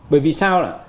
bởi vì sao